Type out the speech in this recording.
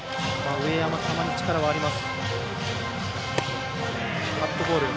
上山、球に力があります。